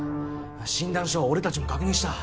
診断書は俺たちも確認した。